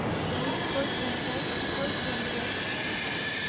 Ой, той тентет, той теҥгет